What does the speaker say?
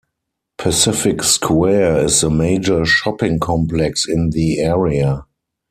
Pacific Square is the major shopping complex in the area.